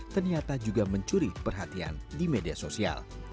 ternyata juga mencuri perhatian di media sosial